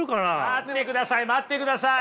・待ってください待ってください！